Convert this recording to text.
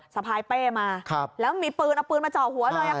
สะพายเป้มาแล้วมีปืนเอาปืนมาเจาะหัวเลย